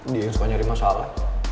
dia yang suka nyari masalah